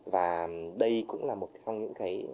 và đây cũng là một trong những cái